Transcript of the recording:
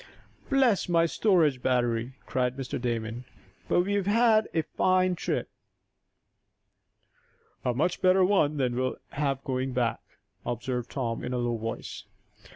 "Bless my storage battery!" cried Mr. Damon. "But we have had a fine trip." "A much better one than we'll have going back," observed Tom, in a low voice.